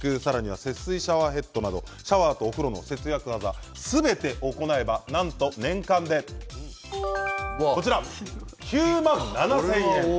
節水シャワーヘッドシャワーとお風呂の節約技をすべて行えば年間で９万７０００円。